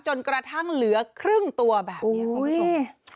จนกระทั่งเหลือครึ่งตัวแบบนี้คุณผู้ชม